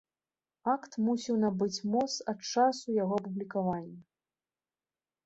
Акт мусіў набыць моц ад часу яго апублікавання.